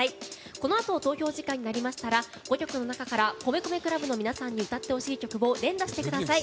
このあと投票時間になりましたら５曲の中から米米ＣＬＵＢの皆さんに歌ってほしい曲を連打してください。